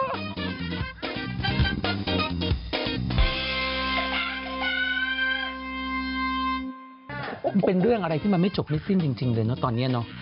มันเป็นเรื่องอะไรที่มันไม่จบไม่สิ้นจริงเลยเนอะตอนนี้เนอะ